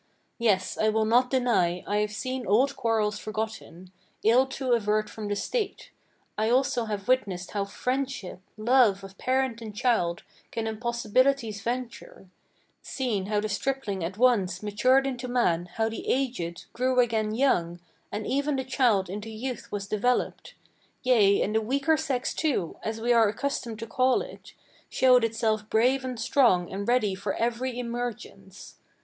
Yes, I will not deny, I have seen old quarrels forgotten, Ill to avert from the state; I also have witnessed how friendship, Love of parent and child, can impossibilities venture; Seen how the stripling at once matured into man; how the aged Grew again young; and even the child into youth was developed, Yea, and the weaker sex too, as we are accustomed to call it, Showed itself brave and strong and ready for every emergence.